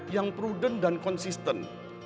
yang prudent dan konsisten